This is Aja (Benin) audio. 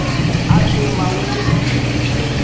A do mawu de ji.